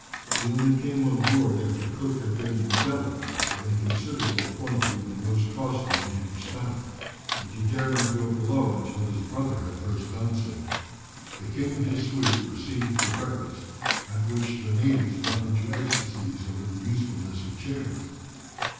He only came on board after Cook had been enveloped in a considerable quantity of the most costly native stuff, and he dared not go below until his brother had first done so. The king and his suite were seated for breakfast, at which the natives went into ecstasies over the usefulness of chairs.